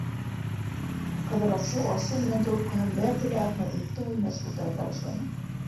- Ҡыҙрасов асыу менән трубкаһын бәрҙе лә, Әхмәҙиевтың өйөнә шылтырата башланы.